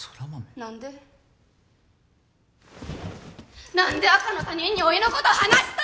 何で何で赤の他人においのこと話すと！